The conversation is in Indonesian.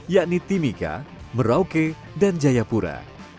yakni timika merauke dan jayapura